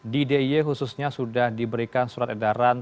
di diy khususnya sudah diberikan surat edaran